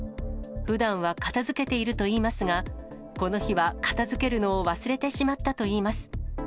ふだんは片づけているといいますが、この日は片づけるのを忘れてしまったといいます。